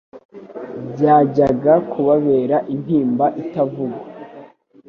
byajyaga kubabera intimba itavugwa.